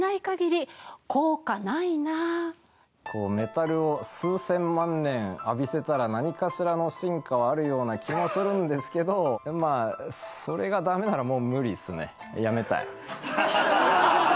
メタルを数千万年浴びせたら何かしらの進化はあるような気がするんですけどまあそれがダメならもう無理ですね。